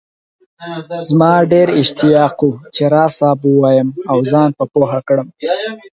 زما ډېر اشتياق وو چي راز صاحب ووايم او زان په پوهه کړم